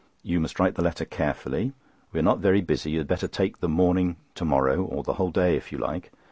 You must write the letter carefully. We are not very busy; you had better take the morning to morrow, or the whole day if you like.